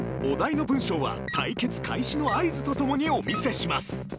お題の文章は、対決開始の合図とともにお見せします。